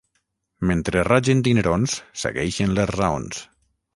Mentre ragen dinerons segueixen les raons.